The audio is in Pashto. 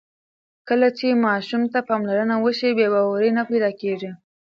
کله چې ماشوم ته پاملرنه وشي، بې باوري نه پیدا کېږي.